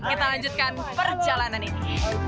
kita lanjutkan perjalanan ini